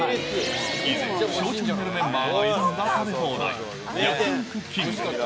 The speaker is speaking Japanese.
以前、ＳＨＯＷチャンネルメンバーが挑んだ食べ放題、焼き肉きんぐ。